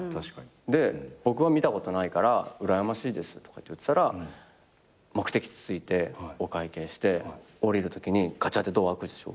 僕は見たことないからうらやましいですとか言ってたら目的地着いてお会計して降りるときにガチャッてドア開くでしょ。